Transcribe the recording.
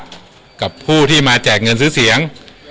กับผู้ที่มาแจกเงินซื้อเสียง